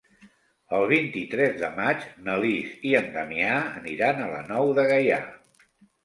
El vint-i-tres de maig na Lis i en Damià aniran a la Nou de Gaià.